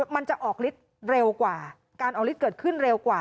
มันจะออกฤทธิ์เร็วกว่าการออกฤทธิ์เกิดขึ้นเร็วกว่า